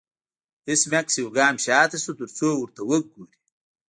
ایس میکس یو ګام شاته شو ترڅو ورته وګوري